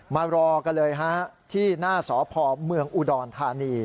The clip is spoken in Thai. มารอกันเลยฮะที่หน้าสพเมืองอุดรธานี